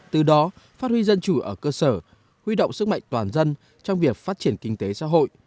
từ đó phát huy dân chủ ở cơ sở huy động sức mạnh toàn dân trong việc phát triển kinh tế xã hội